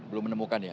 belum menemukan ya